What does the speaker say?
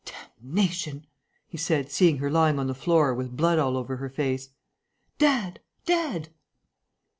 "Damnation!" he said, seeing her lying on the floor, with blood all over her face. "Dad! Dad!"